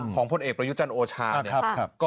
พลเอกประยุจันทร์โอชาเนี่ย